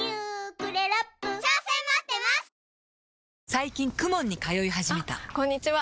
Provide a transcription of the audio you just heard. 最近 ＫＵＭＯＮ に通い始めたあこんにちは！